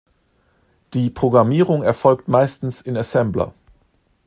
Die Programmierung erfolgt meistens in Assembler.